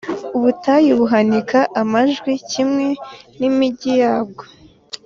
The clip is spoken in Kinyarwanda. Ubutayu buhanike amajwi, kimwe n’imigi yabwo,